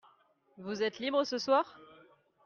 Vous êtes libre ce soir ?